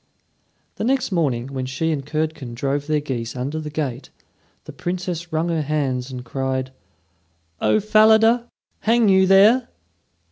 The next morning, when she and Curdken drove their geese under the gate, the Princess wrung her hands and cried: "O Falada, hang you there?"